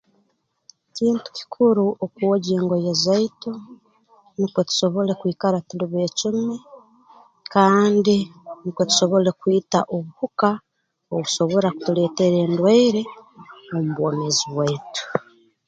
Kintu kikuru okwogya engoye zaitu nukwo tusobole kwikara tuli beecumi kandi nukwo tusobole kwita obuhuka obusobora kutuleetera endwaire omu bwomeezi bwaitu